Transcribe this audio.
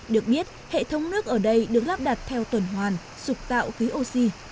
được biết hệ thống nước ở đây được lắp đặt theo tuần hoàn sụp tạo khí oxy